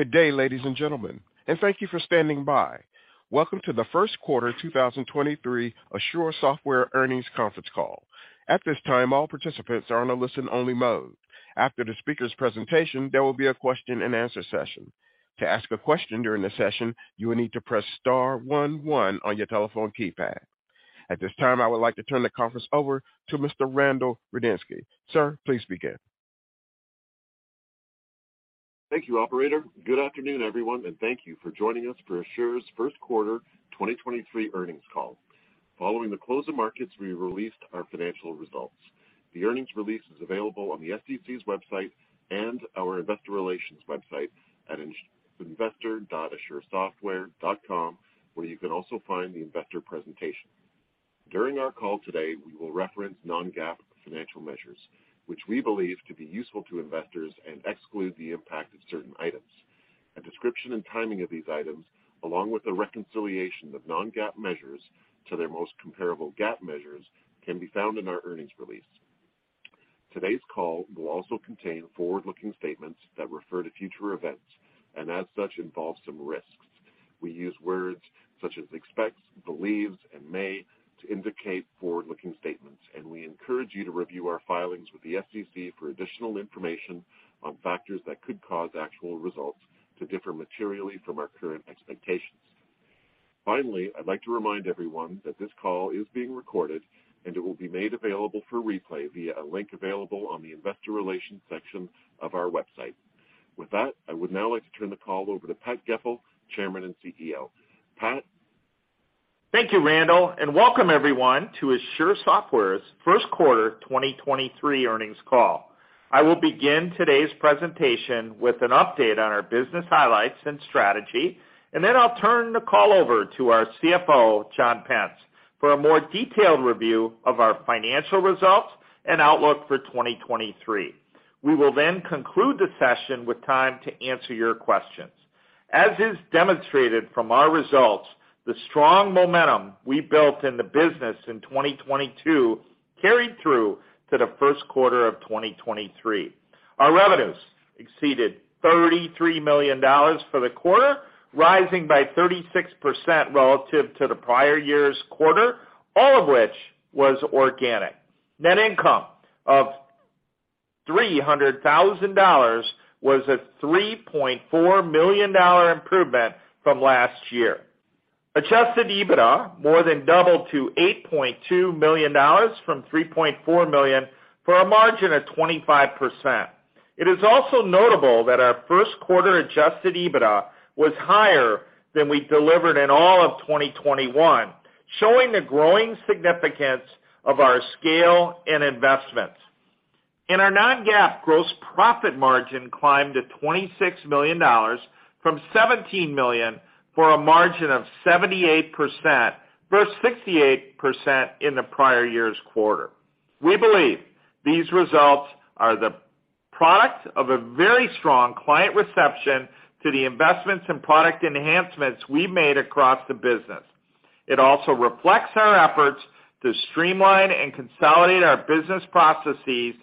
Good day, ladies and gentlemen and thank you for standing by. Welcome to the first quarter 2023 Asure Software earnings conference call. At this time, all participants are on a listen-only mode. After the speaker's presentation, there will be a question-and-answer session. To ask a question during the session, you will need to press star 11 on your telephone keypad. At this time, I would like to turn the conference over to Mr. Randal Rudniski. Sir, please begin. Thank you, operator. Good afternoon, everyone, and thank you for joining us for Asure's first quarter 2023 earnings call. Following the close of markets, we released our financial results. The earnings release is available on the SEC's website and our investor relations website at investor.asuresoftware.com, where you can also find the investor presentation. During our call today, we will reference non-GAAP financial measures, which we believe to be useful to investors and exclude the impact of certain items. A description and timing of these items, along with a reconciliation of non-GAAP measures to their most comparable GAAP measures can be found in our earnings release. Today's call will also contain forward-looking statements that refer to future events and as such involve some risks. We use words such as expects, believes and may to indicate forward-looking statements, and we encourage you to review our filings with the SEC for additional information on factors that could cause actual results to differ materially from our current expectations. Finally, I'd like to remind everyone that this call is being recorded, and it will be made available for replay via a link available on the Investor Relations section of our website. With that, I would now like to turn the call over to Pat Goepel, Chairman and CEO. Pat? Thank you, Randal. Welcome everyone to Asure Software's first quarter 2023 earnings call. I will begin today's presentation with an update on our business highlights and strategy. Then I'll turn the call over to our CFO, John Pence, for a more detailed review of our financial results and outlook for 2023. We will conclude the session with time to answer your questions. As is demonstrated from our results, the strong momentum we built in the business in 2022 carried through to the first quarter of 2023. Our revenues exceeded $33 million for the quarter, rising by 36% relative to the prior year's quarter, all of which was organic. Net income of $300,000 was a $3.4 million improvement from last year. Adjusted EBITDA more than doubled to $8.2 million from $3.4 million for a margin of 25%. It is also notable that our first quarter adjusted EBITDA was higher than we delivered in all of 2021, showing the growing significance of our scale and investments. Our non-GAAP gross profit margin climbed to $26 million from $17 million for a margin of 78% versus 68% in the prior year's quarter. We believe these results are the product of a very strong client reception to the investments and product enhancements we made across the business. It also reflects our efforts to streamline and consolidate our business processes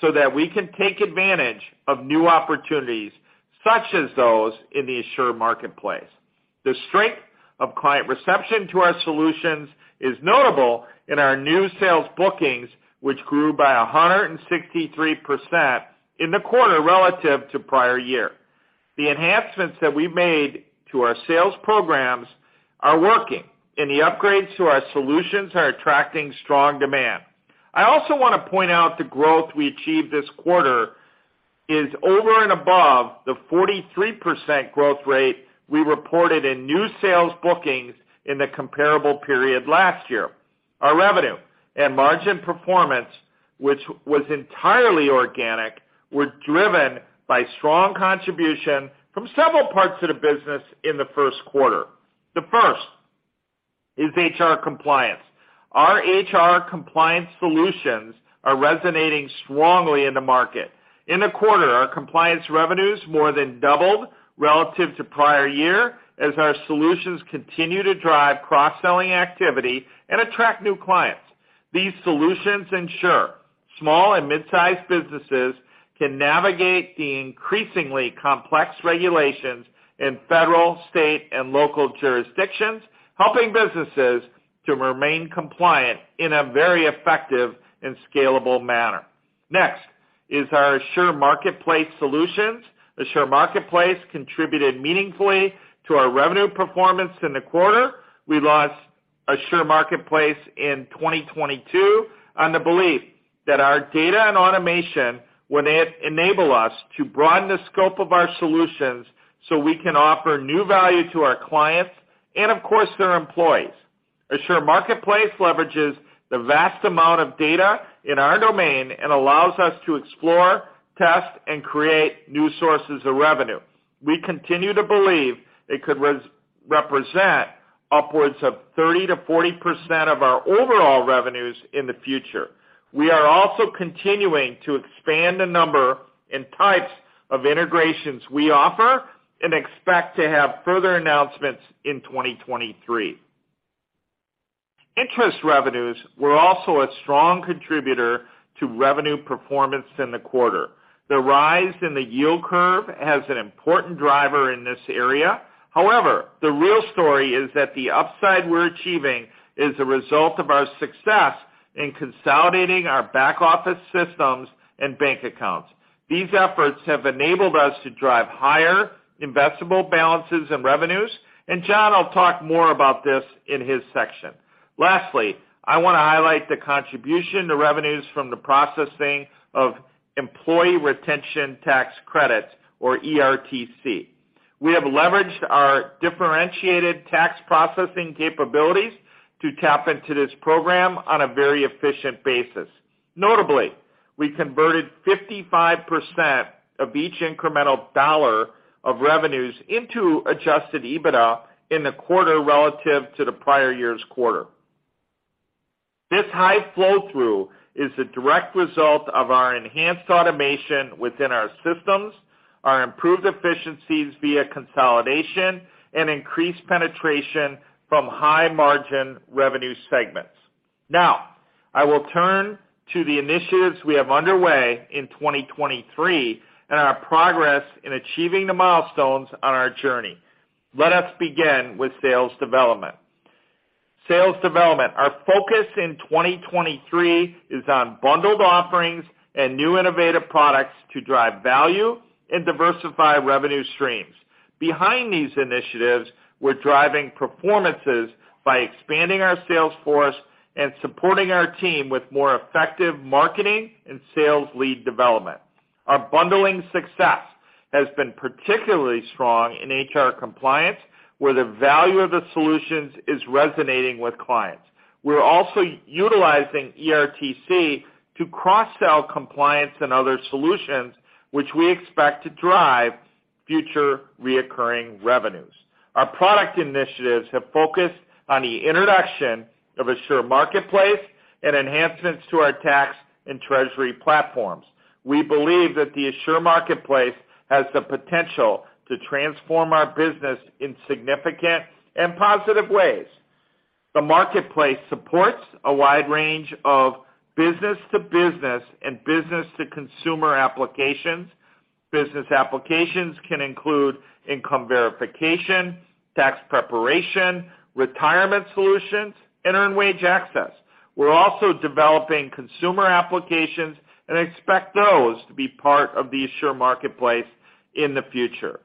so that we can take advantage of new opportunities, such as those in the Asure Marketplace. The strength of client reception to our solutions is notable in our new sales bookings which grew by 163% in the quarter relative to prior year. The enhancements that we made to our sales programs are working, the upgrades to our solutions are attracting strong demand. I also want to point out the growth we achieved this quarter is over and above the 43% growth rate we reported in new sales bookings in the comparable period last year. Our revenue and margin performance, which was entirely organic, were driven by strong contribution from several parts of the business in the first quarter. The first is HR Compliance. Our HR Compliance solutions are resonating strongly in the market. In the quarter, our compliance revenues more than doubled relative to prior year as our solutions continue to drive cross-selling activity and attract new clients. These solutions ensure small and mid-sized businesses can navigate the increasingly complex regulations in federal, state, and local jurisdictions, helping businesses to remain compliant in a very effective and scalable manner. Next is our Asure Marketplace solutions. Asure Marketplace contributed meaningfully to our revenue performance in the quarter. We launched Asure Marketplace in 2022 on the belief that our data and automation would enable us to broaden the scope of our solutions so we can offer new value to our clients and, of course, their employees. Asure Marketplace leverages the vast amount of data in our domain and allows us to explore, test, and create new sources of revenue. We continue to believe it could represent upwards of 30% to 40% of our overall revenues in the future. We are also continuing to expand the number and types of integrations we offer and expect to have further announcements in 2023. Interest revenues were also a strong contributor to revenue performance in the quarter. The rise in the yield curve has an important driver in this area. However, the real story is that the upside we're achieving is a result of our success in consolidating our back-office systems and bank accounts. These efforts have enabled us to drive higher investable balances and revenues, and John will talk more about this in his section. Lastly, I wanna highlight the contribution to revenues from the processing of Employee Retention Tax credits, or ERTC. We have leveraged our differentiated tax processing capabilities to tap into this program on a very efficient basis. Notably we converted 55% of each incremental dollar of revenues into adjusted EBITDA in the quarter relative to the prior year's quarter. This high flow-through is a direct result of our enhanced automation within our systems, our improved efficiencies via consolidation, and increased penetration from high-margin revenue segments. I will turn to the initiatives we have underway in 2023 and our progress in achieving the milestones on our journey. Let us begin with sales development. Our focus in 2023 is on bundled offerings and new innovative products to drive value and diversify revenue streams. Behind these initiatives, we're driving performances by expanding our sales force and supporting our team with more effective marketing and sales lead development. Our bundling success has been particularly strong in HR compliance, where the value of the solutions is resonating with clients. We're also utilizing ERTC to cross-sell compliance and other solutions, which we expect to drive future reoccurring revenues. Our product initiatives have focused on the introduction of Asure Marketplace and enhancements to our tax and treasury platforms. We believe that the Asure Marketplace has the potential to transform our business in significant and positive ways. The marketplace supports a wide range of business-to-business and business-to-consumer applications. Business applications can include income verification, tax preparation, retirement solutions, and earned wage access. We're also developing consumer applications and expect those to be part of the Asure Marketplace in the future.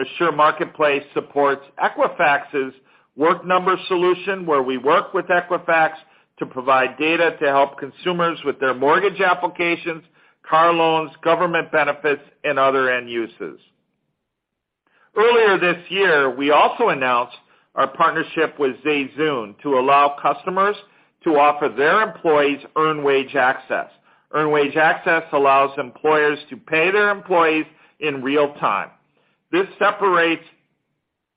Asure Marketplace supports Equifax's Work Number solution, where we work with Equifax to provide data to help consumers with their mortgage applications, car loans, government benefits, and other end uses. Earlier this year, we also announced our partnership with ZayZoon to allow customers to offer their employees earned wage access. Earned wage access allows employers to pay their employees in real time. This separates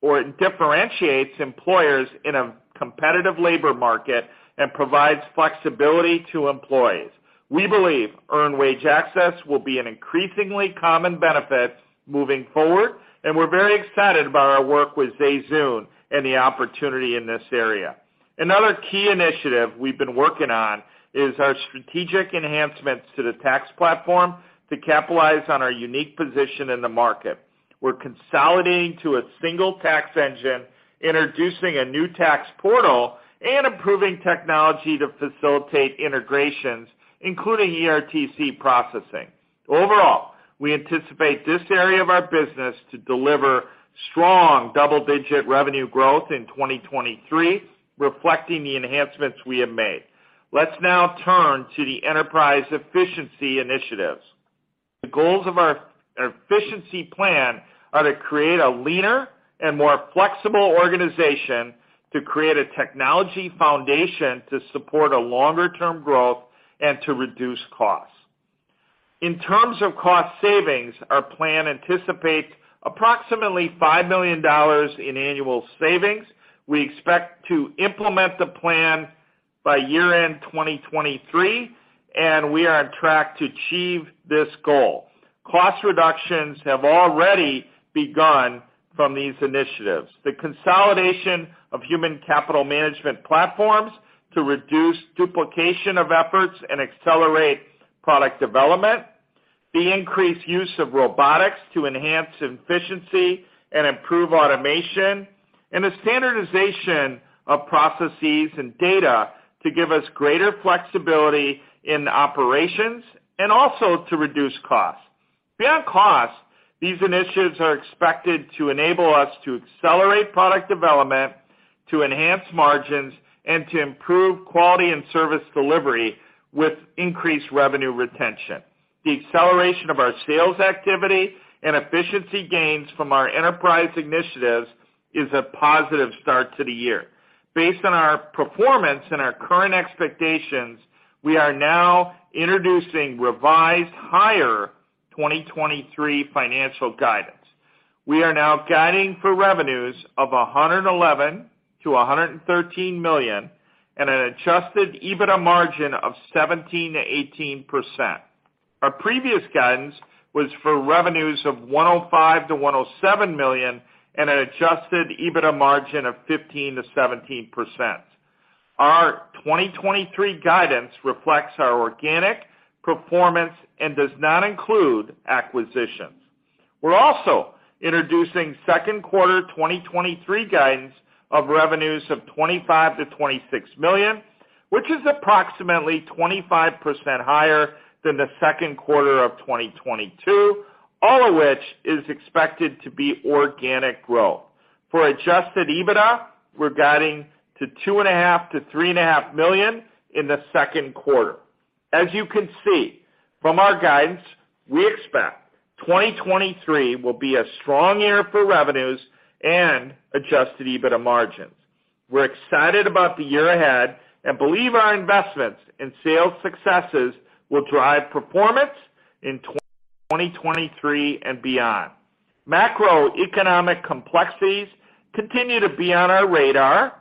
or it differentiates employers in a competitive labor market and provides flexibility to employees. We believe earned wage access will be an increasingly common benefit moving forward, and we're very excited about our work with ZayZoon and the opportunity in this area. Another key initiative we've been working on is our strategic enhancements to the tax platform to capitalize on our unique position in the market. We're consolidating to a single tax engine, introducing a new tax portal, and improving technology to facilitate integrations, including ERTC processing. Overall, we anticipate this area of our business to deliver strong double-digit revenue growth in 2023, reflecting the enhancements we have made. Let's now turn to the enterprise efficiency initiatives. The goals of our efficiency plan are to create a leaner and more flexible organization to create a technology foundation to support a longer-term growth and to reduce costs. In terms of cost savings, our plan anticipates approximately $5 million in annual savings. We expect to implement the plan by year-end 2023, and we are on track to achieve this goal. Cost reductions have already begun from these initiatives. The consolidation of human capital management platforms to reduce duplication of efforts and accelerate product development, the increased use of robotics to enhance efficiency and improve automation, and the standardization of processes and data to give us greater flexibility in operations and also to reduce costs. Beyond cost, these initiatives are expected to enable us to accelerate product development, to enhance margins, and to improve quality and service delivery with increased revenue retention. The acceleration of our sales activity and efficiency gains from our enterprise initiatives is a positive start to the year. Based on our performance and our current expectations, we are now introducing revised higher 2023 financial guidance. We are now guiding for revenues of $111 million-$113 million and an adjusted EBITDA margin of 17%-18%. Our previous guidance was for revenues of $105 million-$107 million and an adjusted EBITDA margin of 15%-17%. Our 2023 guidance reflects our organic performance and does not include acquisitions. We're also introducing second quarter 2023 guidance of revenues of $25 million-$26 million, which is approximately 25% higher than the second quarter of 2022, all of which is expected to be organic growth. For adjusted EBITDA, we're guiding to $2.5 million-$3.5 million in the second quarter. As you can see from our guidance, we expect 2023 will be a strong year for revenues and adjusted EBITDA margins. We're excited about the year ahead and believe our investments in sales successes will drive performance in 2023 and beyond. Macroeconomic complexities continue to be on our radar,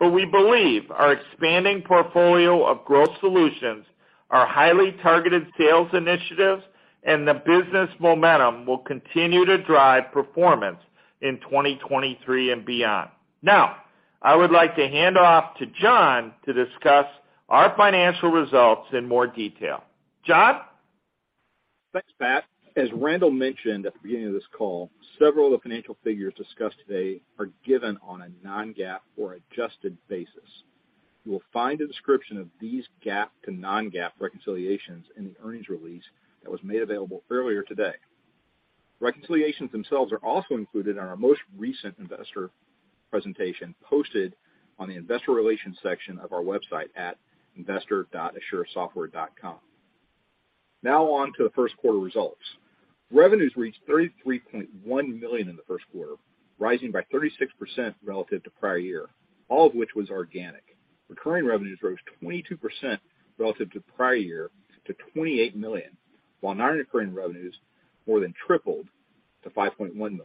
but we believe our expanding portfolio of growth solutions, our highly targeted sales initiatives, and the business momentum will continue to drive performance in 2023 and beyond. Now, I would like to hand off to John to discuss our financial results in more detail. John? Thanks, Pat. As Randal mentioned at the beginning of this call, several of the financial figures discussed today are given on a non-GAAP or adjusted basis. You will find a description of these GAAP to non-GAAP reconciliations in the earnings release that was made available earlier today. Reconciliations themselves are also included in our most recent investor presentation posted on the investor relations section of our website at investor.asuresoftware.com. On to the first quarter results. Revenues reached $33.1 million in the first quarter, rising by 36% relative to prior year, all of which was organic. Recurring revenues rose 22% relative to prior year to $28 million, while non-recurring revenues more than tripled to $5.1 million.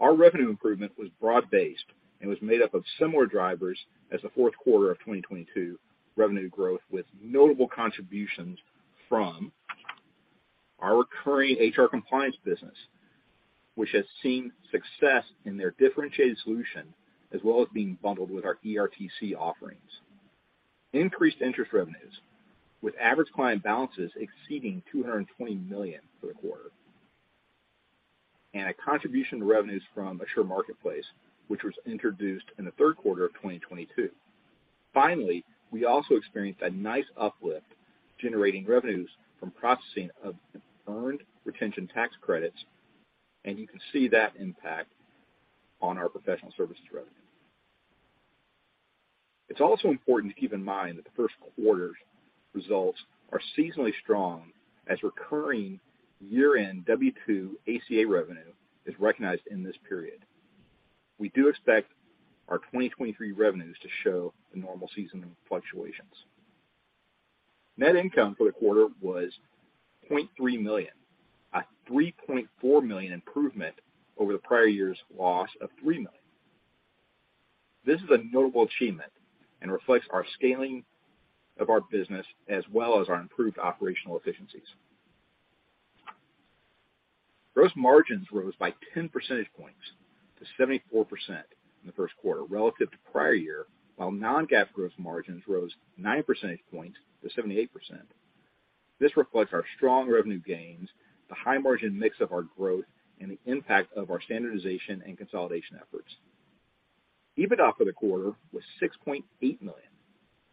Our revenue improvement was broad-based and was made up of similar drivers as the fourth quarter of 2022 revenue growth, with notable contributions from our recurring HR Compliance business, which has seen success in their differentiated solution, as well as being bundled with our ERTC offerings. Increased interest revenues, with average client balances exceeding $220 million for the quarter. A contribution to revenues from Asure Marketplace, which was introduced in the third quarter of 2022. Finally we also experienced a nice uplift generating revenues from processing of Employee Retention Tax Credits, and you can see that impact on our professional services revenue. It's also important to keep in mind that the first quarter's results are seasonally strong as recurring year-end W-2 ACA revenue is recognized in this period. We do expect our 2023 revenues to show the normal seasonal fluctuations. Net income for the quarter was $0.3 million, a $3.4 million improvement over the prior year's loss of $3 million. This is a notable achievement and reflects our scaling of our business as well as our improved operational efficiencies. Gross margins rose by 10 percentage points to 74% in the first quarter relative to prior year, while non-GAAP gross margins rose 9 percentage points to 78%. This reflects our strong revenue gains, the high margin mix of our growth, and the impact of our standardization and consolidation efforts. EBITDA for the quarter was $6.8 million,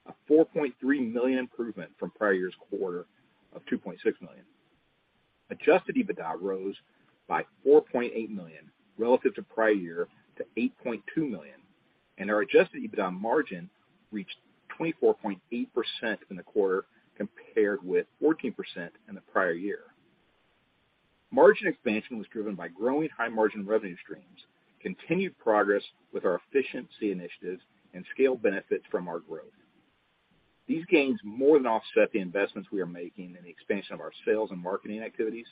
a $4.3 million improvement from prior year's quarter of $2.6 million. Adjusted EBITDA rose by $4.8 million relative to prior year to $8.2 million, our adjusted EBITDA margin reached 24.8% in the quarter compared with 14% in the prior year. Margin expansion was driven by growing high-margin revenue streams, continued progress with our efficiency initiatives, and scale benefits from our growth. These gains more than offset the investments we are making in the expansion of our sales and marketing activities,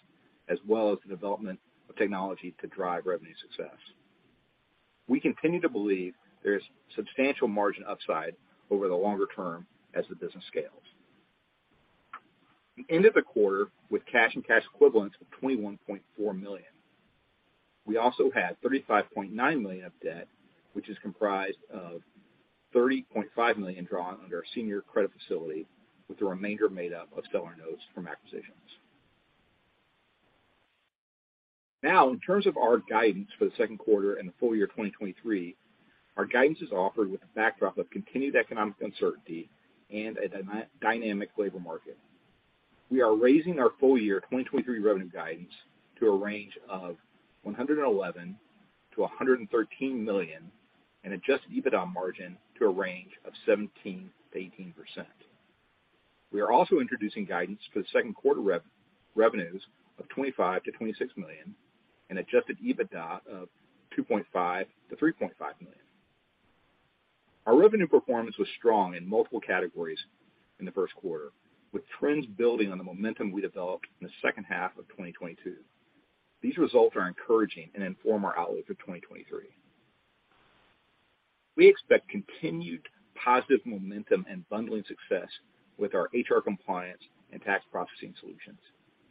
as well as the development of technology to drive revenue success. We continue to believe there is substantial margin upside over the longer term as the business scales. We ended the quarter with cash and cash equivalents of $21.4 million. We also had $35.9 million of debt, which is comprised of $30.5 million drawn under our senior credit facility, with the remainder made up of seller notes from acquisitions. In terms of our guidance for the second quarter and the full year 2023, our guidance is offered with a backdrop of continued economic uncertainty and a dynamic labor market. We are raising our full year 2023 revenue guidance to a range of $111 million-$113 million and adjusted EBITDA margin to a range of 17%-18%. We are also introducing guidance for the second quarter revenues of $25 million-$26 million and adjusted EBITDA of $2.5 million-$3.5 million. Our revenue performance was strong in multiple categories in the first quarter, with trends building on the momentum we developed in the second half of 2022. These results are encouraging and inform our outlook for 2023. We expect continued positive momentum and bundling success with our HR Compliance and tax processing solutions.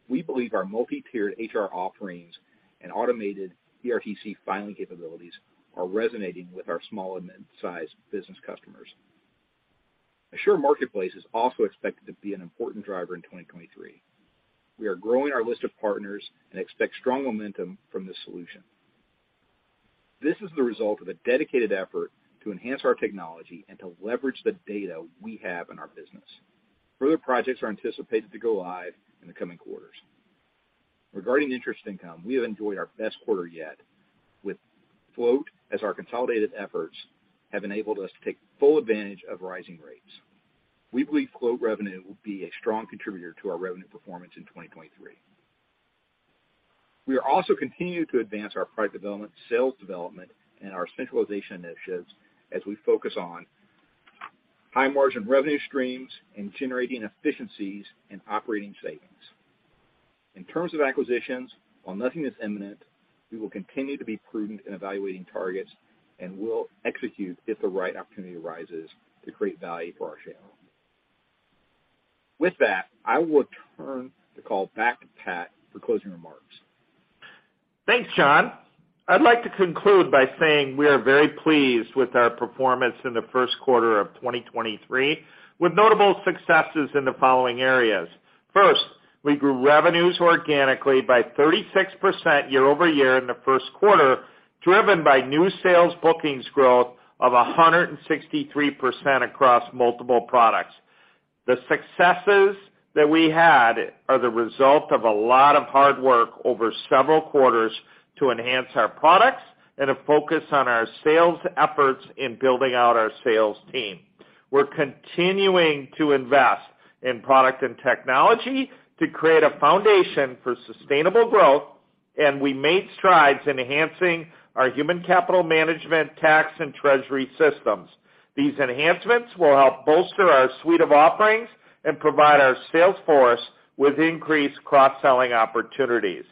We believe our multi-tiered HR offerings and automated ERTC filing capabilities are resonating with our small and mid-sized business customers. Asure Marketplace is also expected to be an important driver in 2023. We are growing our list of partners and expect strong momentum from this solution. This is the result of a dedicated effort to enhance our technology and to leverage the data we have in our business. Further projects are anticipated to go live in the coming quarters. Regarding interest income, we have enjoyed our best quarter yet with float, as our consolidated efforts have enabled us to take full advantage of rising rates. We believe float revenue will be a strong contributor to our revenue performance in 2023. We are also continuing to advance our product development, sales development, and our centralization initiatives as we focus on high margin revenue streams and generating efficiencies and operating savings. In terms of acquisitions, while nothing is imminent, we will continue to be prudent in evaluating targets, and we'll execute if the right opportunity arises to create value for our shareholders. With that I will turn the call back to Pat for closing remarks. Thanks John. I'd like to conclude by saying we are very pleased with our performance in the first quarter of 2023, with notable successes in the following areas. First, we grew revenues organically by 36% year-over-year in the first quarter, driven by new sales bookings growth of 163% across multiple products. The successes that we had are the result of a lot of hard work over several quarters to enhance our products and to focus on our sales efforts in building out our sales team. We're continuing to invest in product and technology to create a foundation for sustainable growth, and we made strides in enhancing our human capital management, tax, and treasury systems. These enhancements will help bolster our suite of offerings and provide our sales force with increased cross-selling opportunities.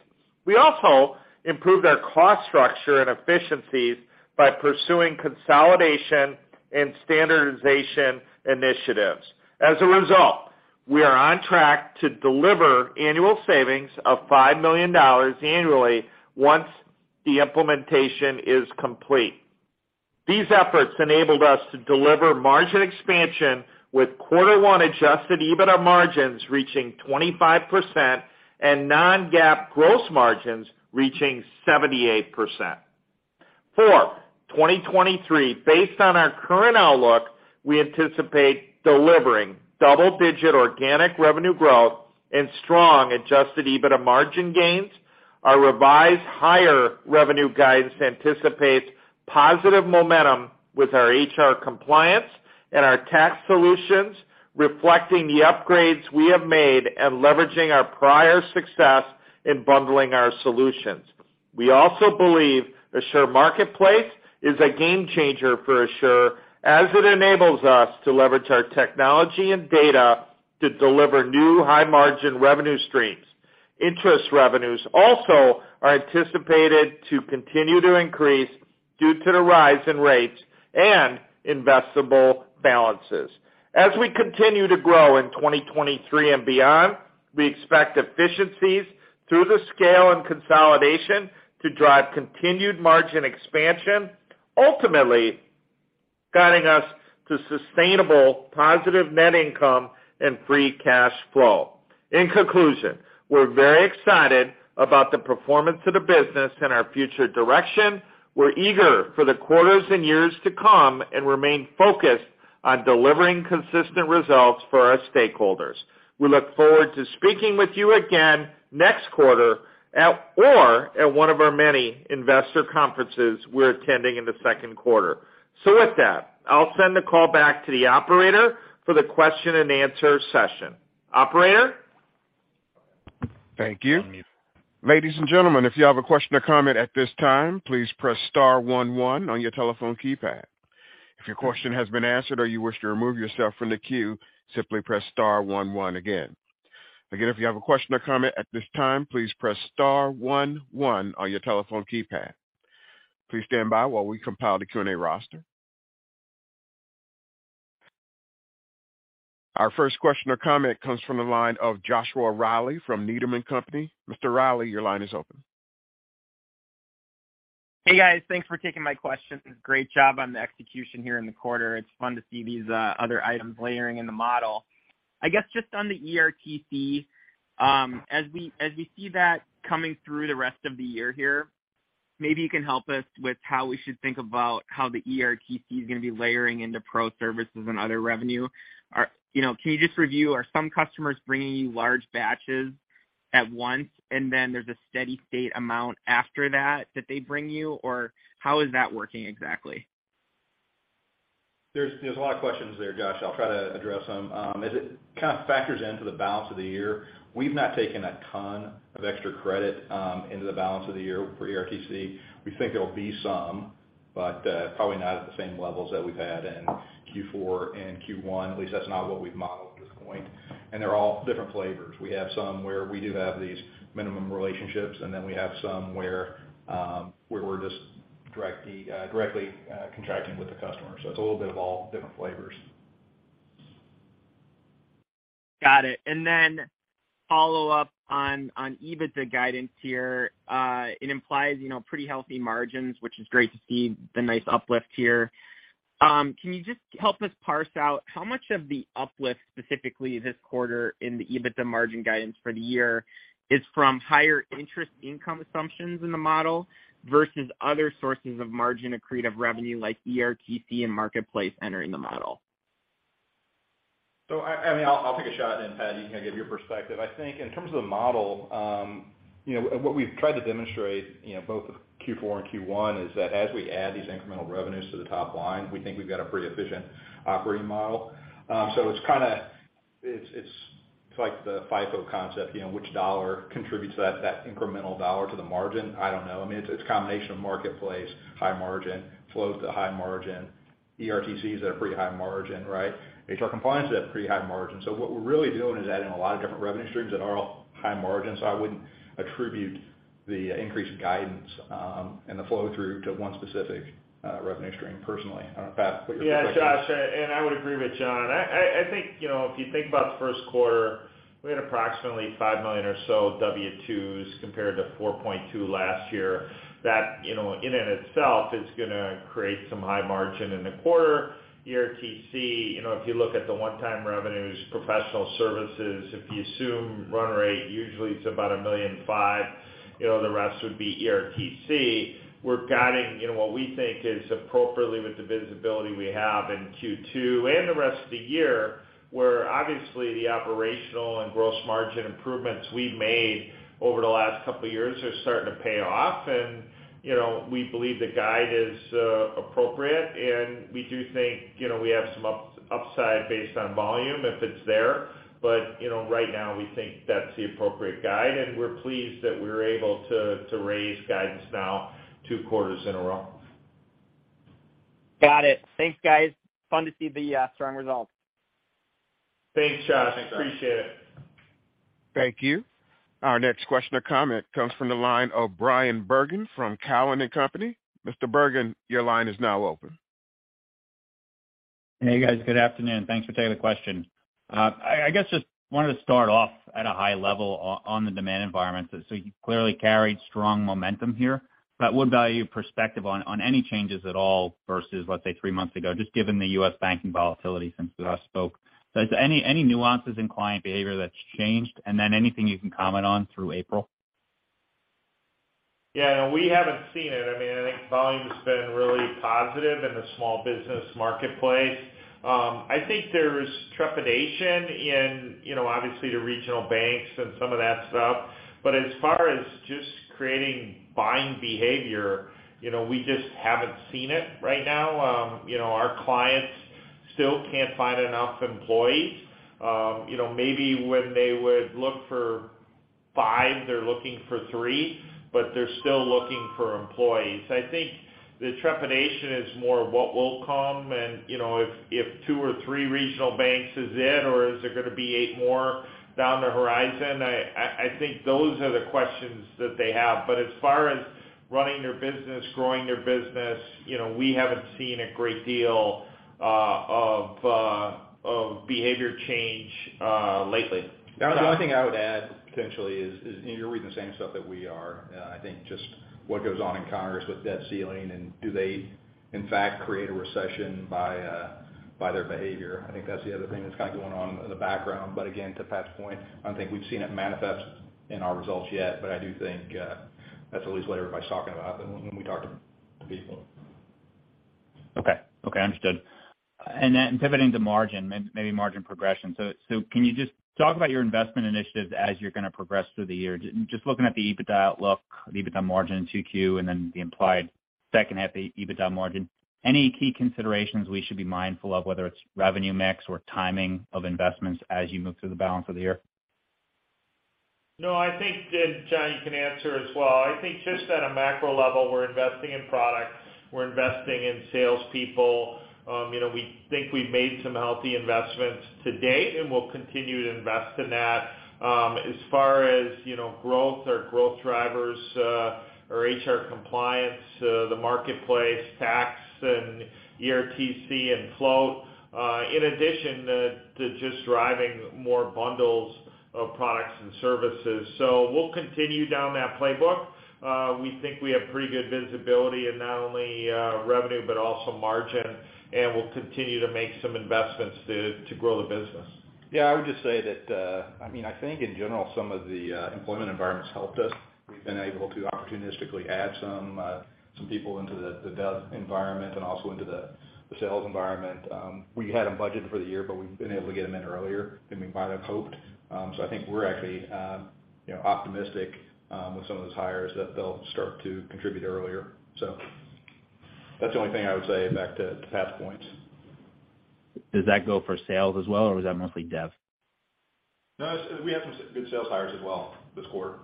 We also improved our cost structure and efficiencies by pursuing consolidation and standardization initiatives. As a result, we are on track to deliver annual savings of $5 million annually once the implementation is complete. These efforts enabled us to deliver margin expansion with Q1 adjusted EBITDA margins reaching 25% and non-GAAP gross margins reaching 78%. For 2023, based on our current outlook, we anticipate delivering double-digit organic revenue growth and strong adjusted EBITDA margin gains. Our revised higher revenue guidance anticipates positive momentum with our HR Compliance and our tax solutions, reflecting the upgrades we have made and leveraging our prior success in bundling our solutions. We also believe Asure Marketplace is a game changer for Asure as it enables us to leverage our technology and data to deliver new high-margin revenue streams. Interest revenues also are anticipated to continue to increase due to the rise in rates and investable balances. As we continue to grow in 2023 and beyond, we expect efficiencies through the scale and consolidation to drive continued margin expansion, ultimately guiding us to sustainable positive net income and free cash flow. In conclusion, we're very excited about the performance of the business and our future direction. We're eager for the quarters and years to come and remain focused on delivering consistent results for our stakeholders. We look forward to speaking with you again next quarter or at one of our many investor conferences we're attending in the second quarter. With that, I'll send the call back to the operator for the question and answer session. Operator? Thank you. Ladies and gentlemen, if you have a question or comment at this time, please press star one one on your telephone keypad. If your question has been answered or you wish to remove yourself from the queue, simply press star one one again. Again if you have a question or comment at this time, please press star one one on your telephone keypad. Please stand by while we compile the Q&A roster. Our first question or comment comes from the line of Joshua Reilly from Needham & Company. Mr. Riley, your line is open. Hey, guys. Thanks for taking my questions. Great job on the execution here in the quarter. It's fun to see these other items layering in the model. I guess just on the ERTC, as we see that coming through the rest of the year here, maybe you can help us with how we should think about how the ERTC is gonna be layering into pro services and other revenue. You know, can you just review, are some customers bringing you large batches at once, and then there's a steady state amount after that that they bring you? Or how is that working exactly? There's a lot of questions there Josh. I'll try to address them. As it kind of factors into the balance of the year, we've not taken a ton of extra credit into the balance of the year for ERTC. We think there'll be some, but probably not at the same levels that we've had in Q4 and Q1, at least that's not what we've modeled at this point. They're all different flavors. We have some where we do have these minimum relationships, and then we have some where we're just directly, contracting with the customer. It's a little bit of all different flavors. Got it. Follow up on EBITDA guidance here. It implies, you know, pretty healthy margins, which is great to see the nice uplift here. Can you just help us parse out how much of the uplift specifically this quarter in the EBITDA margin guidance for the year is from higher interest income assumptions in the model versus other sources of margin accretive revenue like ERTC and Marketplace entering the model? I mean I'll take a shot and Pat, you can give your perspective. I think in terms of the model, you know, what we've tried to demonstrate, you know, both Q4 and Q1 is that as we add these incremental revenues to the top line, we think we've got a pretty efficient operating model. It's kind of like the FIFO concept, you know, which dollar contributes to that incremental dollar to the margin? I don't know. I mean, it's a combination of Marketplace, high margin, flows to high margin. ERTCs are pretty high margin, right? HR Compliance is at pretty high margin. What we're really doing is adding a lot of different revenue streams that are all high margin. I wouldn't attribute the increase in guidance and the flow through to one specific revenue stream personally. I don't know Pat, what your thoughts are. Yeah, Josh, I would agree with John. I think, you know, if you think about the first quarter, we had approximately 5 million or so W-2s compared to 4.2 last year. That, you know, in and of itself is going to create some high margin in the quarter. ERTC, you know, if you look at the one-time revenues, professional services, if you assume run rate, usually it's about $1.5 million, you know, the rest would be ERTC. We're guiding, you know, what we think is appropriately with the visibility we have in Q2 and the rest of the year, where obviously the operational and gross margin improvements we've made over the last couple of years are starting to pay off. You know, we believe the guide is appropriate, and we do think, you know, we have some upside based on volume if it's there. You know, right now we think that's the appropriate guide, and we're pleased that we're able to raise guidance now two quarters in a row. Got it. Thanks, guys. Fun to see the strong results. Thanks, Josh. Appreciate it. Thanks, Josh. Thank you. Our next question or comment comes from the line of Bryan Bergin from Cowen and Company. Mr. Bergin, your line is now open. Hey guys. Good afternoon. Thanks for taking the question. I guess just wanted to start off at a high level on the demand environment. You clearly carried strong momentum here, but would value perspective on any changes at all versus, let's say, three months ago, just given the U.S. banking volatility since we last spoke. Is any nuances in client behavior that's changed? Anything you can comment on through April? Yeah, we haven't seen it. I mean I think volume's been really positive in the small business marketplace. I think there's trepidation in, you know, obviously the regional banks and some of that stuff. As far as just creating buying behavior, you know, we just haven't seen it right now. You know, our clients still can't find enough employees. You know, maybe when they would look for five, they're looking for three, but they're still looking for employees. I think the trepidation is more of what will come and, you know, if two or three regional banks is it, or is there gonna be eight more down the horizon? I think those are the questions that they have. As far as running their business, growing their business, you know, we haven't seen a great deal of behavior change lately. The only thing I would add potentially is you're reading the same stuff that we are. I think just what goes on in Congress with debt ceiling and do they, in fact, create a recession by their behavior? I think that's the other thing that's kinda going on in the background. Again to Pat's point, I don't think we've seen it manifest in our results yet but I do think that's at least what everybody's talking about when we talk to people. Okay, understood. Then pivoting to margin, maybe margin progression. Can you just talk about your investment initiatives as you're gonna progress through the year? Just looking at the EBITDA outlook, the EBITDA margin in 2Q and then the implied second half EBITDA margin, any key considerations we should be mindful of whether it's revenue mix or timing of investments as you move through the balance of the year? No, I think that John, you can answer as well. I think just at a macro level, we're investing in products, we're investing in sales people. You know, we think we've made some healthy investments to date and we'll continue to invest in that. As far as, you know, growth or growth drivers, our HR Compliance, the Marketplace, tax and ERTC and float, in addition to just driving more bundles of products and services. We'll continue down that playbook. We think we have pretty good visibility in not only revenue, but also margin, and we'll continue to make some investments to grow the business. Yeah, I would just say that, I mean I think in general, some of the employment environments helped us. We've been able to opportunistically add some people into the dev environment and also into the sales environment. We had them budgeted for the year but we've been able to get them in earlier than we might have hoped. I think we're actually, you know, optimistic with some of those hires that they'll start to contribute earlier. That's the only thing I would say back to Pat's points. Does that go for sales as well, or was that mostly dev? No, we have some good sales hires as well this quarter.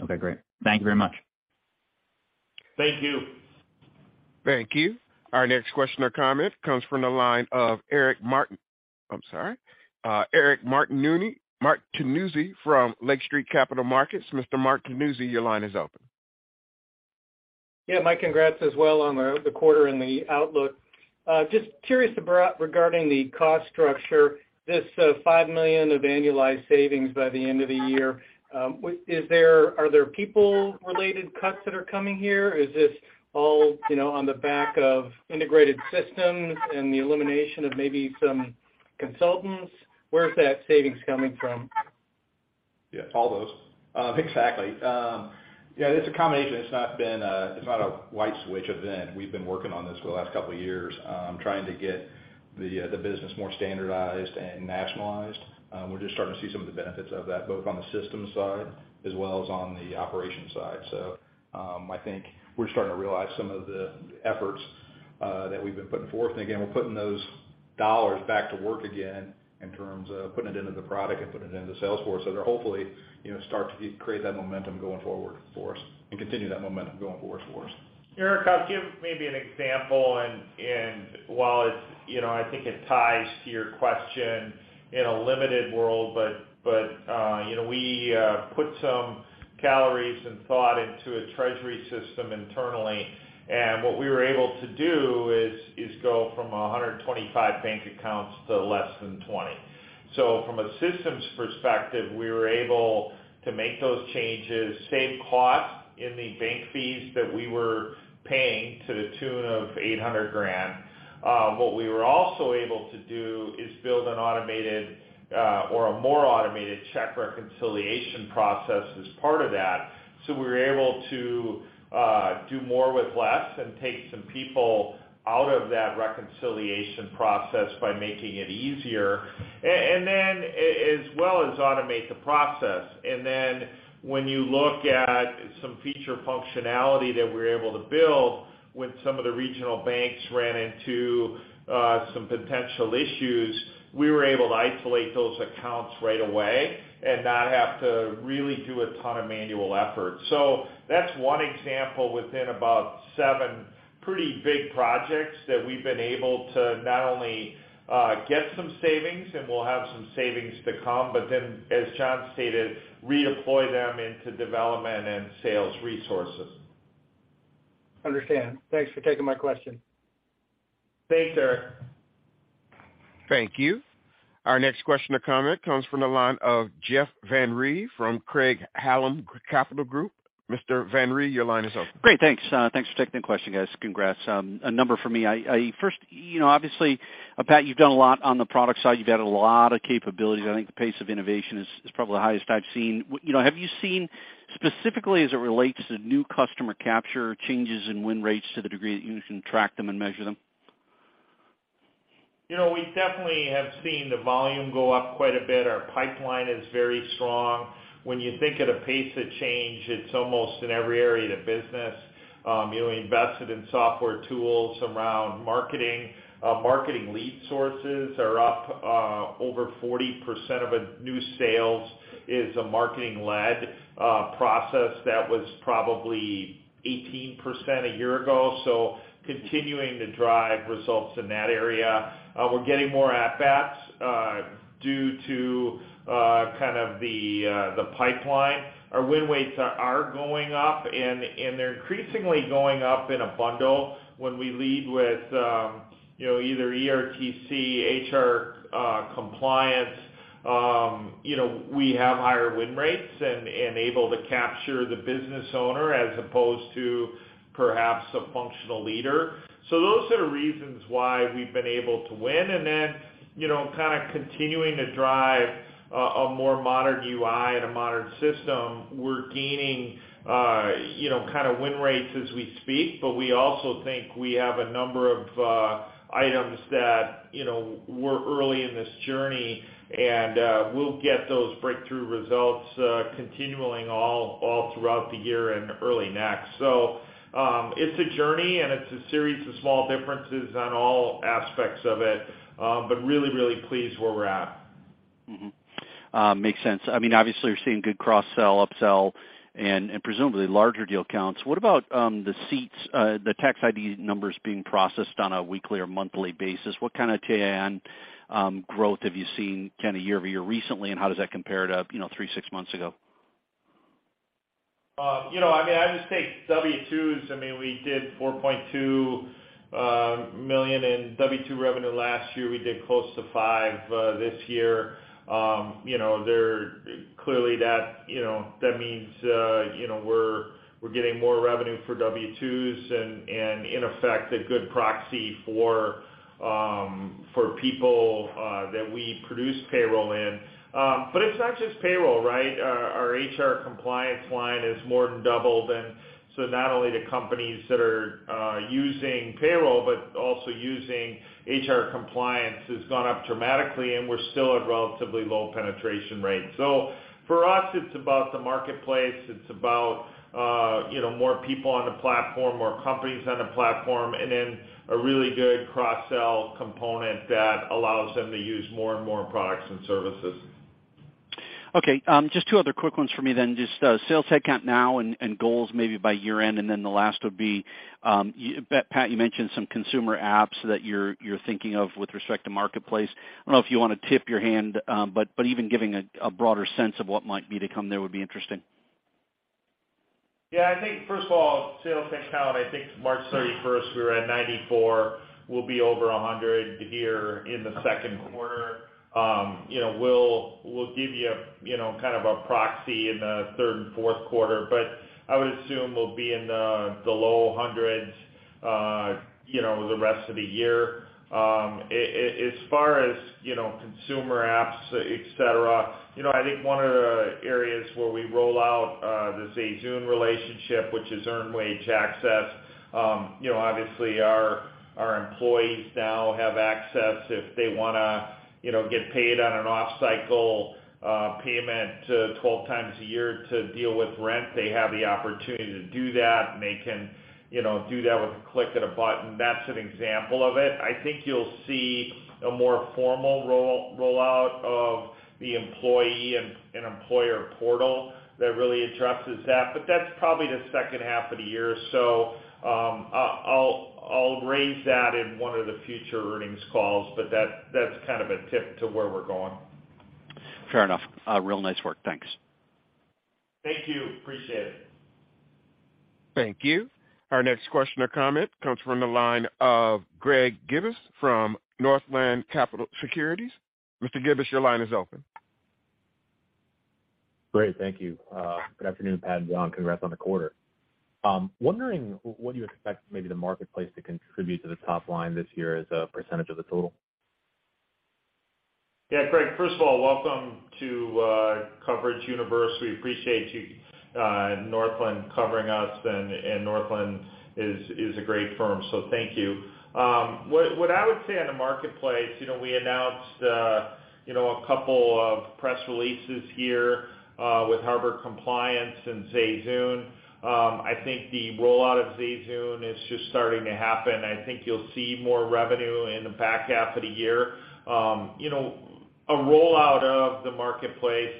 Okay, great. Thank you very much. Thank you. Thank you. Our next question or comment comes from the line of Eric Martin. I'm sorry, Eric Martinuzzi from Lake Street Capital Markets. Mr. Martinuzzi, your line is open. My congrats as well on the quarter and the outlook. Just curious about regarding the cost structure, this $5 million of annualized savings by the end of the year, are there people related cuts that are coming here? Is this all, you know, on the back of integrated systems and the elimination of maybe some consultants? Where is that savings coming from? Yes all those. Exactly. Yeah it's a combination. It's not been, it's not a light switch event. We've been working on this for the last couple of years, trying to get the business more standardized and nationalized. We're just starting to see some of the benefits of that, both on the system side as well as on the operations side. I think we're starting to realize some of the efforts that we've been putting forth. Again, we're putting those dollars back to work again in terms of putting it into the product and putting it into Salesforce. They're hopefully, you know, start to create that momentum going forward for us and continue that momentum going forward for us. Eric, I'll give maybe an example and while it's, you know, I think it ties to your question in a limited world, but, you know, we put some calories and thought into a treasury system internally, and what we were able to do is go from 125 bank accounts to less than 20. From a systems perspective, we were able to make those changes, save costs in the bank fees that we were paying to the tune of $800,000. What we were also able to do is build an automated or a more automated check reconciliation process as part of that. We were able to do more with less and take some people out of that reconciliation process by making it easier, and then as well as automate the process. When you look at some feature functionality that we're able to build with some of the regional banks ran into some potential issues, we were able to isolate those accounts right away and not have to really do a ton of manual effort. That's one example within about seven pretty big projects that we've been able to not only get some savings and we'll have some savings to come, but then as John stated, redeploy them into development and sales resources. Understand. Thanks for taking my question. Thanks, Eric. Thank you. Our next question or comment comes from the line of Jeff Van Rhee from Craig-Hallum Capital Group. Mr. Van Rhee, your line is open. Great. Thanks, thanks for taking the question, guys. Congrats. A number for me. First, you know, obviously Pat, you've done a lot on the product side. You've added a lot of capabilities. I think the pace of innovation is probably the highest I've seen. You know, have you seen specifically as it relates to new customer capture changes in win rates to the degree that you can track them and measure them? You know, we definitely have seen the volume go up quite a bit. Our pipeline is very strong. When you think at a pace of change, it's almost in every area of the business. You know, we invested in software tools around marketing. Marketing lead sources are up, over 40% of a new sales is a marketing led, process that was probably 18% a year ago. Continuing to drive results in that area. We're getting more at bats, due to kind of the pipeline. Our win rates are going up, and they're increasingly going up in a bundle. When we lead with, you know, either ERTC, HR Compliance, you know, we have higher win rates and able to capture the business owner as opposed to perhaps a functional leader. Those are reasons why we've been able to win. You know, kind of continuing to drive a more modern UI and a modern system, we're gaining, you know, kind of win rates as we speak, but we also think we have a number of items that, you know, we're early in this journey and we'll get those breakthrough results, continuing all throughout the year and early next. It's a journey, and it's a series of small differences on all aspects of it. Really pleased where we're at. Makes sense. I mean obviously you're seeing good cross-sell, up-sell and presumably larger deal counts. What about the seats, the tax ID numbers being processed on a weekly or monthly basis? What kind of TAM growth have you seen kind of year-over-year recently, and how does that compare to, you know, three, six months ago? You know, I mean, I just take W-2s. I mean we did $4.2 million in W-2 revenue last year. We did close to $5 million this year. You know, that means, you know, we're getting more revenue for W-2s and in effect, a good proxy for people that we produce payroll in. It's not just payroll, right? Our HR compliance line is more than double than. Not only the companies that are using payroll, but also using HR compliance has gone up dramatically, and we're still at relatively low penetration rates. For us, it's about the marketplace. It's about, you know, more people on the platform, more companies on the platform, and then a really good cross-sell component that allows them to use more and more products and services. Okay. Just two other quick ones for me then. Just, sales headcount now and goals maybe by year-end. The last would be Pat, you mentioned some consumer apps that you're thinking of with respect to marketplace. I don't know if you wanna tip your hand, but even giving a broader sense of what might be to come there would be interesting. I think first of all, sales headcount, I think March thirty-first we were at 94. We'll be over 100 here in the second quarter. You know, we'll give you know, kind of a proxy in the third and fourth quarter. I would assume we'll be in the low hundreds, you know, the rest of the year. As far as, you know, consumer apps, et cetera, you know, I think one of the areas where we roll out the ZayZoon relationship, which is earned wage access, you know, obviously our employees now have access if they wanna, you know, get paid on an off-cycle payment, 12 times a year to deal with rent, they have the opportunity to do that, and they can, you know, do that with a click of a button. That's an example of it. I think you'll see a more formal roll-out of the employee and employer portal that really addresses that, but that's probably the second half of the year. I'll raise that in one of the future earnings calls, but that's kind of a tip to where we're going. Fair enough. Real nice work. Thanks. Thank you. Appreciate it. Thank you. Our next question or comment comes from the line of Greg Gibas from Northland Capital Markets. Mr. Gibas, your line is open. Great. Thank you. Good afternoon, Pat and John. Congrats on the quarter. Wondering what do you expect maybe the marketplace to contribute to the top line this year as a % of the total? Greg first of all, welcome to coverage universe. We appreciate you, Northland covering us and Northland is a great firm, so thank you. What, what I would say on the marketplace, you know, we announced, you know, a couple of press releases here with Harbor Compliance and ZayZoon. I think the rollout of ZayZoon is just starting to happen. I think you'll see more revenue in the back half of the year. You know, a rollout of the marketplace,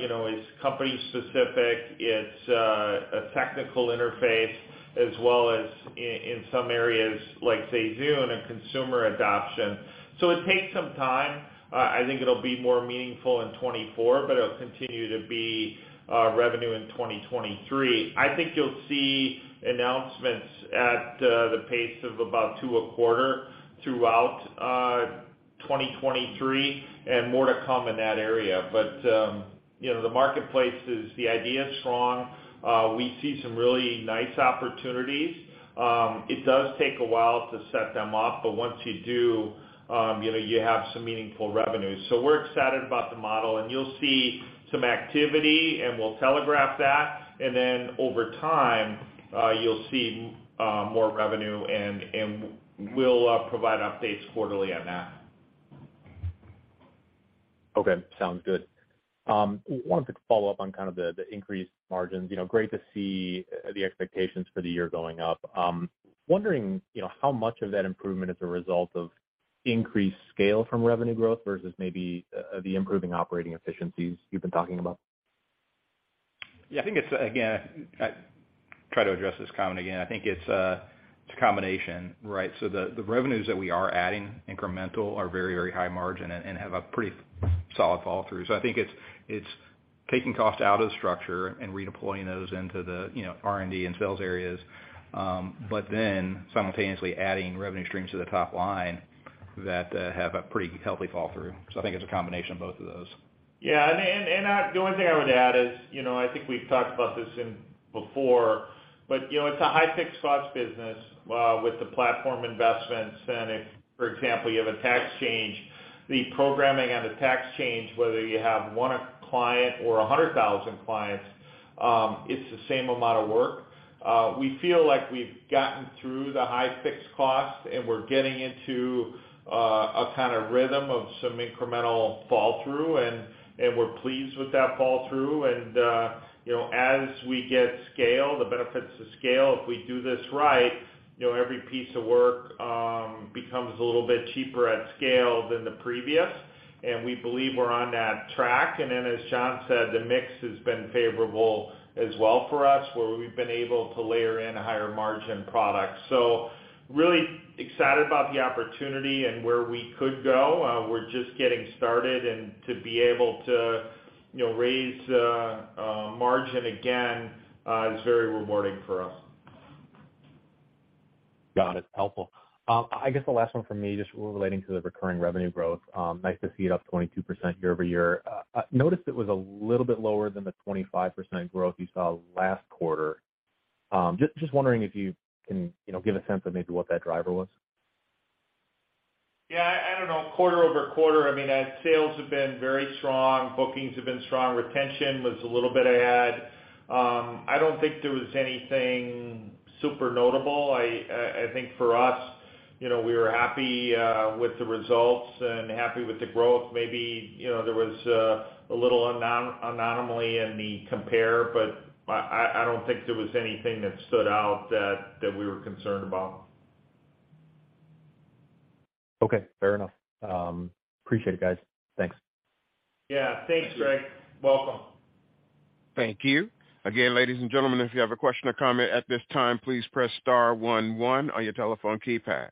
you know, is company specific. It's a technical interface as well as in some areas like ZayZoon and consumer adoption. It takes some time. I think it'll be more meaningful in 2024, but it'll continue to be revenue in 2023. I think you'll see announcements at the pace of about two a quarter throughout 2023 and more to come in that area. You know, the idea is strong. We see some really nice opportunities. It does take a while to set them up, but once you do, you know, you have some meaningful revenue. We're excited about the model, and you'll see some activity, and we'll telegraph that. Over time, you'll see more revenue and we'll provide updates quarterly on that. Okay. Sounds good. Wanted to follow up on kind of the increased margins. You know, great to see the expectations for the year going up. Wondering, you know, how much of that improvement is a result of increased scale from revenue growth versus maybe, the improving operating efficiencies you've been talking about? Yeah, I think it's - again I try to address this comment again. I think it's a combination right? The revenues that we are adding incremental are very high margin and have a pretty solid fall through. I think it's taking cost out of the structure and redeploying those into the, you know, R&D and sales areas, but then simultaneously adding revenue streams to the top line that, have a pretty healthy fall through. I think it's a combination of both of those. Yeah. The only thing I would add is, you know, I think we've talked about this in before, but, you know, it's a high fixed cost business with the platform investments. If, for example, you have a tax change, the programming on the tax change, whether you have one client or 100,000 clients, it's the same amount of work. We feel like we've gotten through the high fixed cost, and we're getting into a kind of rhythm of some incremental fall through, and we're pleased with that fall through. You know, as we get scale, the benefits of scale, if we do this right, you know, every piece of work becomes a little bit cheaper at scale than the previous, and we believe we're on that track. As John said, the mix has been favorable as well for us, where we've been able to layer in a higher margin product. Really excited about the opportunity and where we could go. We're just getting started and to be able to, you know, raise margin again is very rewarding for us. Got it. Helpful. I guess the last one for me, just relating to the recurring revenue growth, nice to see it up 22% year-over-year. I noticed it was a little bit lower than the 25% growth you saw last quarter. Just wondering if you can, you know, give a sense of maybe what that driver was? Yeah, I don't know. quarter-over-quarter, I mean sales have been very strong. Bookings have been strong. Retention was a little bit ahead. I don't think there was anything super notable. I think for us, you know we were happy with the results and happy with the growth. Maybe, you know, there was a little anomaly in the compare but I don't think there was anything that stood out that we were concerned about. Okay, fair enough. Appreciate it, guys. Thanks. Yeah. Thanks, Greg. Welcome. Thank you. Again, ladies and gentlemen, if you have a question or comment at this time, please press star one one on your telephone keypad.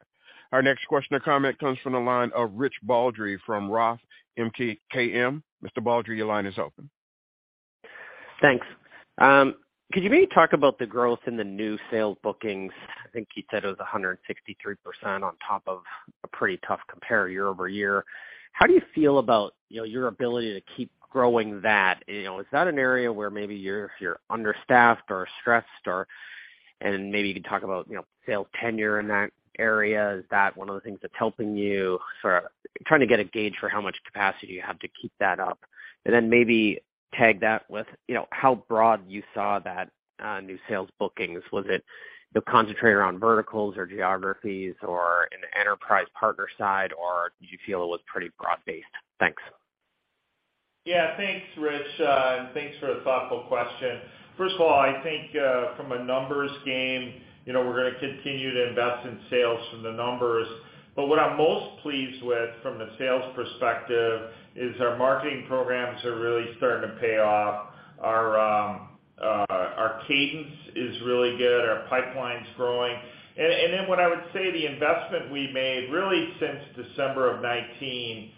Our next question or comment comes from the line of Rich Baldry from Roth MKM. Mr. Baldry, your line is open. Thanks. Could you maybe talk about the growth in the new sales bookings? I think you said it was 163% on top of a pretty tough compare year-over-year. How do you feel about, you know, your ability to keep growing that? You know, is that an area where maybe if you're understaffed or stressed or? Maybe you can talk about, you know, sales tenure in that area. Is that one of the things that's helping you? Sort of trying to get a gauge for how much capacity you have to keep that up. Maybe tag that with, you know, how broad you saw that new sales bookings. Was it concentrated around verticals or geographies or in the enterprise partner side, or did you feel it was pretty broad-based? Thanks. Yeah. Thanks, Rich. Thanks for the thoughtful question. First of all, I think, from a numbers game, you know, we're gonna continue to invest in sales from the numbers. What I'm most pleased with from the sales perspective is our marketing programs are really starting to pay off. Our cadence is really good. Our pipeline's growing. Then what I would say the investment we made really since December of 2019,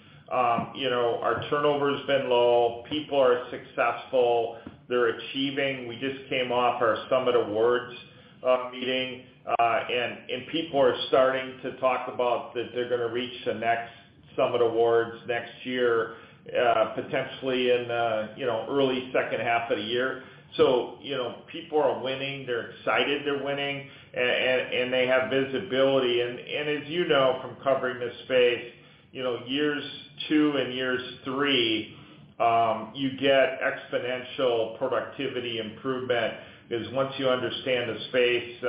you know, our turnover's been low. People are successful. They're achieving. We just came off our Summit Awards meeting, and people are starting to talk about that they're gonna reach the next Summit Awards next year, potentially in, you know, early second half of the year. You know, people are winning. They're excited they're winning. And they have visibility. As you know from covering this space, you know, years two and years three, you get exponential productivity improvement 'cause once you understand the space,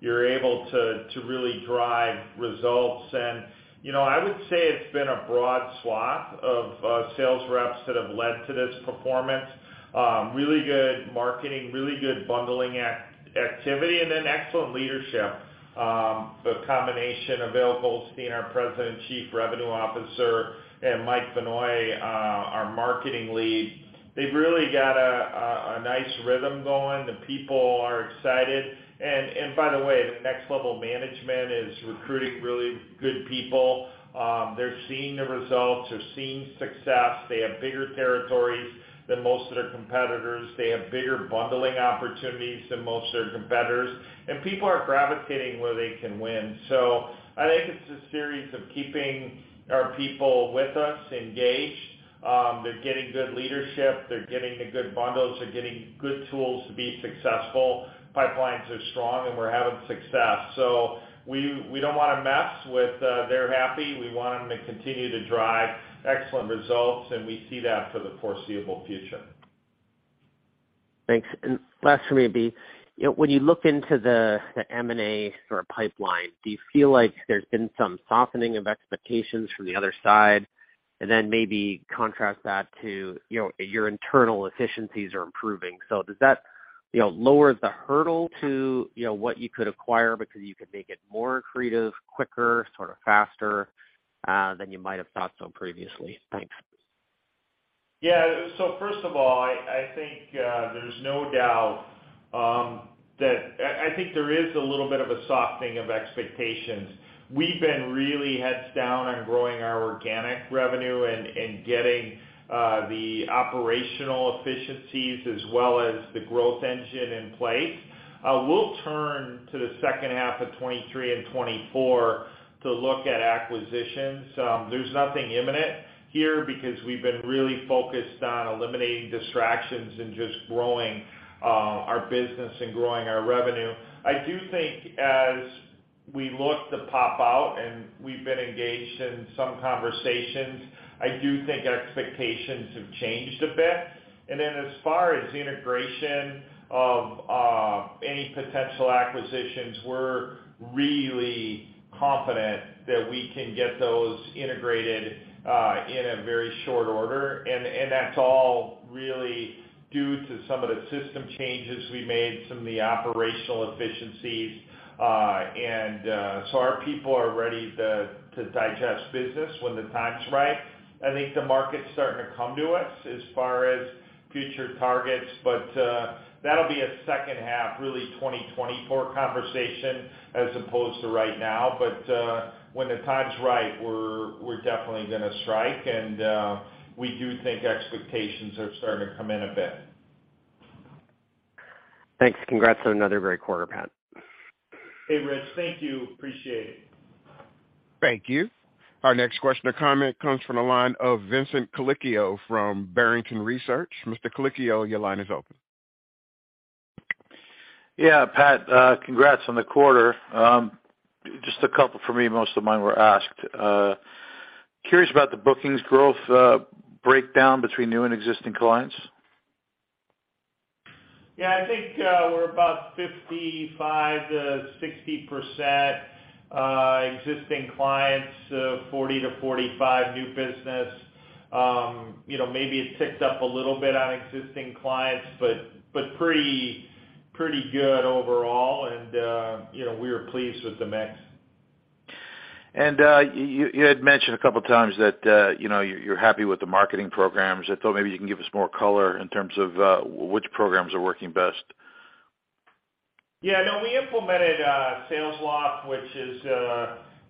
you're able to really drive results. You know, I would say it's been a broad swath of sales reps that have led to this performance. Really good marketing, really good bundling activity, then excellent leadership. The combination of Bill Holstein, our President Chief Revenue Officer, and Mike Vannoy, our marketing lead, they've really got a nice rhythm going. The people are excited. By the way, the next level of management is recruiting really good people. They're seeing the results. They're seeing success. They have bigger territories than most of their competitors. They have bigger bundling opportunities than most of their competitors. People are gravitating where they can win. I think it's a series of keeping our people with us engaged. They're getting good leadership. They're getting the good bundles. They're getting good tools to be successful. Pipelines are strong, and we're having success. We, we don't wanna mess with, they're happy. We want them to continue to drive excellent results, and we see that for the foreseeable future. Thanks. Last for me would be, you know, when you look into the M&A sort of pipeline, do you feel like there's been some softening of expectations from the other side? Then maybe contrast that to, you know, your internal efficiencies are improving. Does that, you know, lower the hurdle to, you know, what you could acquire because you can make it more accretive, quicker, sort of faster than you might have thought so previously? Thanks. First of all, I think there's no doubt, I think there is a little bit of a softening of expectations. We've been really heads down on growing our organic revenue and getting the operational efficiencies as well as the growth engine in place. We'll turn to the second half of 2023 and 2024 to look at acquisitions. There's nothing imminent here because we've been really focused on eliminating distractions and just growing our business and growing our revenue. I do think as we look to pop out, and we've been engaged in some conversations, I do think our expectations have changed a bit. As far as integration of any potential acquisitions, we're really confident that we can get those integrated in a very short order. That's all really due to some of the system changes we made, some of the operational efficiencies. So our people are ready to digest business when the time's right. I think the market's starting to come to us as far as future targets. That'll be a second half, really, 2024 conversation as opposed to right now. When the time's right, we're definitely gonna strike, and we do think expectations are starting to come in a bit. Thanks. Congrats on another great quarter, Pat. Hey, Rich. Thank you. Appreciate it. Thank you. Our next question or comment comes from the line of Vincent Colicchio from Barrington Research. Mr. Colicchio, your line is open. Yeah. Pat, congrats on the quarter. Just a couple for me. Most of mine were asked. Curious about the bookings growth, breakdown between new and existing clients. I think we're about 55%-60% existing clients, 40%-45% new business. You know, maybe it ticks up a little bit on existing clients, but pretty good overall and, you know, we are pleased with the mix. You had mentioned a couple of times that, you know, you're happy with the marketing programs. I thought maybe you can give us more color in terms of which programs are working best. Yeah, no, we implemented Salesloft, which is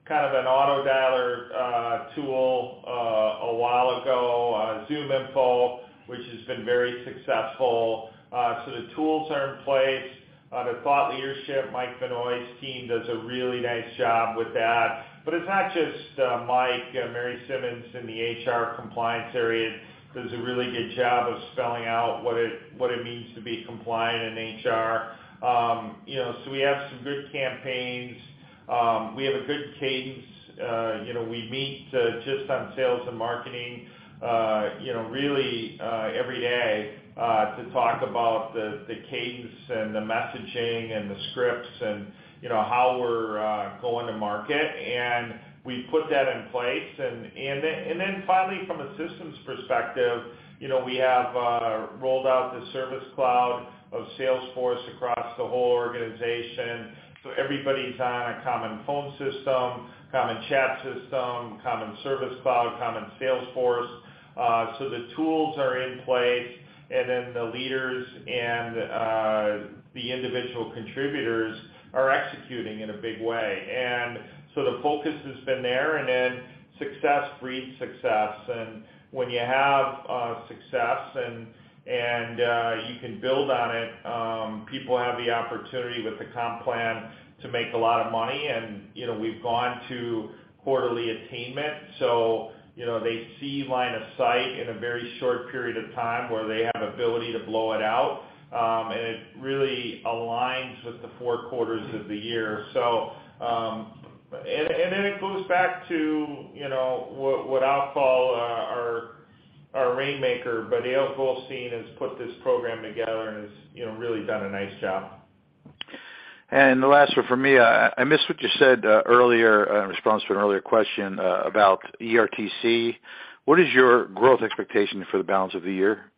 kind of an auto dialer tool a while ago. ZoomInfo, which has been very successful. The tools are in place. The thought leadership, Mike Vannoy's team does a really nice job with that. It's not just Mike. Mary Simmons in the HR Compliance area does a really good job of spelling out what it means to be compliant in HR. You know, we have some good campaigns. We have a good cadence. You know, we meet just on sales and marketing, you know, really every day to talk about the cadence and the messaging and the scripts and, you know, how we're going to market. We've put that in place. Then finally, from a systems perspective, you know, we have rolled out the Service Cloud of Salesforce across the whole organization, so everybody's on a common phone system, common chat system, common Service Cloud, common Salesforce. The tools are in place, the leaders and the individual contributors are executing in a big way. The focus has been there success breeds success. When you have success and you can build on it, people have the opportunity with the comp plan to make a lot of money. You know, we've gone to quarterly attainment, so, you know, they see line of sight in a very short period of time where they have ability to blow it out. It really aligns with the 4 quarters of the year. Then it goes back to, you know, what I'll call our rainmaker. Eyal Goldstein has put this program together and has, you know, really done a nice job. The last one from me. I missed what you said earlier in response to an earlier question about ERTC. What is your growth expectation for the balance of the year?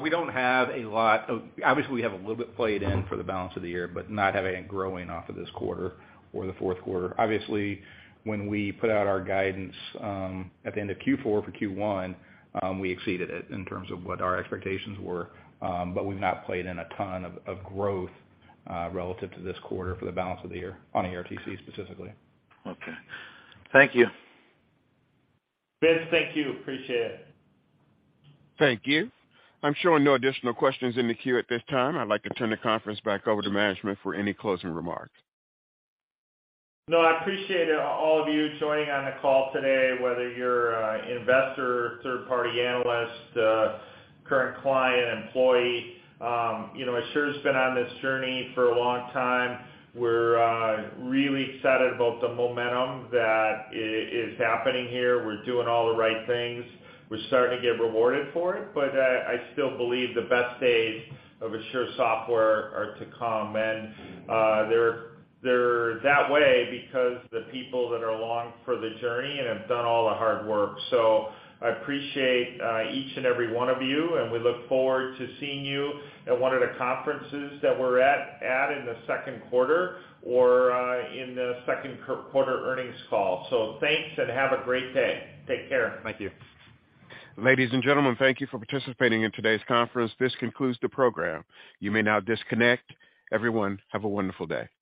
We don't have a lot. Obviously, we have a little bit played in for the balance of the year, but not having growing off of this quarter or the fourth quarter. Obviously, when we put out our guidance at the end of Q4 for Q1, we exceeded it in terms of what our expectations were. We've not played in a ton of growth relative to this quarter for the balance of the year on ERTC specifically. Okay. Thank you. Vince, thank you. Appreciate it. Thank you. I'm showing no additional questions in the queue at this time. I'd like to turn the conference back over to management for any closing remarks. I appreciate all of you joining on the call today, whether you're a investor, third-party analyst, current client, employee. You know, Asure's been on this journey for a long time. We're really excited about the momentum that is happening here. We're doing all the right things. We're starting to get rewarded for it, I still believe the best days of Asure Software are to come. They're that way because the people that are along for the journey and have done all the hard work. I appreciate each and every one of you and we look forward to seeing you at one of the conferences that we're at in the second quarter or in the second quarter earnings call. Thanks and have a great day. Take care. Thank you. Ladies and gentlemen, thank you for participating in today's conference. This concludes the program. You may now disconnect. Everyone, have a wonderful day.